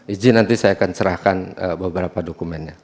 izin nanti saya akan cerahkan beberapa dokumennya